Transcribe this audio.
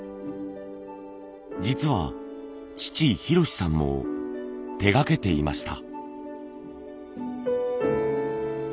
実は父博さんも手がけていました。